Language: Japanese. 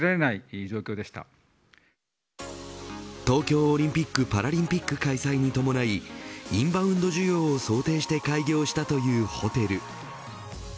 東京オリンピック・パラリンピック開催に伴いインバウンド需要を想定して開業したというホテル。